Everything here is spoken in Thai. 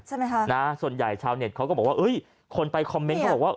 ใช่ไหมคะนะส่วนใหญ่ชาวเน็ตเขาก็บอกว่าเอ้ยคนไปคอมเมนต์เขาบอกว่า